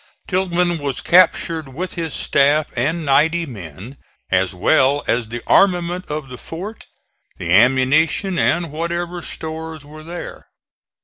Tilghman was captured with his staff and ninety men, as well as the armament of the fort, the ammunition and whatever stores were there.